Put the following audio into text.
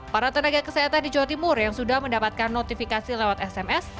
para tenaga kesehatan di jawa timur yang sudah mendapatkan notifikasi lewat sms